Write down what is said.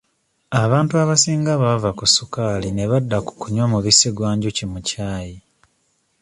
Abantu abasinga baava ku sukaali ne badda ku kunywa mubisi gwa njuki mu ccaayi.